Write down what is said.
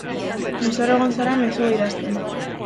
Luzaro egon zara mezua idazten.